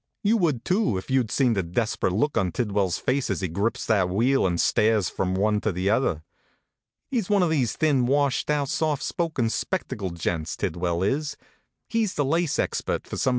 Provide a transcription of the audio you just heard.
You would too, if you d seen the desp rate look on Tidwell s face as he grips that wheel and stares from one to the other. He s one of these thin, washed out, soft spoken, spectacled gents, Tidwell is he s the lace expert for some HONK, HONK!